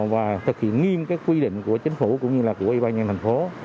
và thực hiện nghiêm cái quy định của chính phủ cũng như là của yên bài nhân thành phố